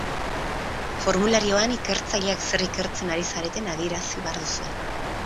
Formularioan, ikertzaileak zer ikertzen ari zareten adierazi behar duzue.